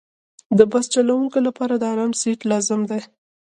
د بس چلوونکي لپاره د آرام سیټ لازمي دی.